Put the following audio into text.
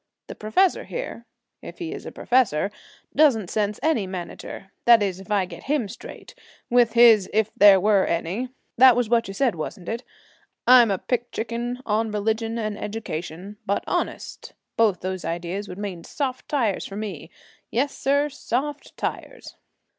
The professor here if he is a professor doesn't sense any manager; that is, if I get him straight, with his "if there were any." That was what you said, wasn't it? I'm a picked chicken on religion and education, but, honest, both those ideas would mean soft tires for me yes, sir, soft tires.'